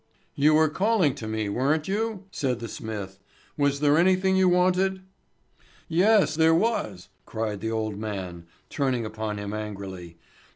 "You were calling to me, weren't you?" said the smith. "Was there anything you wanted?" "Yes, there was!" cried the old man, turning upon him angrily.